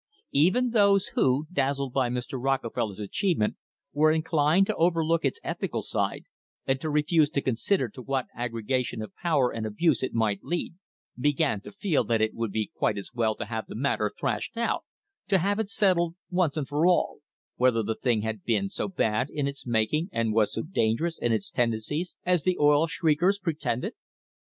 Even those who, dazzled by Mr. Rockefeller's achievement, were inclined to overlook its ethical side and to refuse to consider to what aggregation of power and abuse it might lead, began to feel that it would be quite as well to have the matter thrashed out, to have it settled once for all, whether the thing had been so bad in its making and was so dangerous in its tendencies as the "oil shriekers" pre tended.